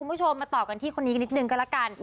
คุณผู้ชมมาต่อกันที่คนนี้นิดนึงก็แล้วกัน